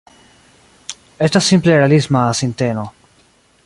Estas simple realisma sinteno.